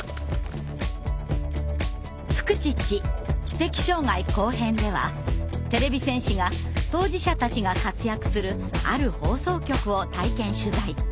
「フクチッチ知的障害後編」ではてれび戦士が当事者たちが活躍するある放送局を体験取材。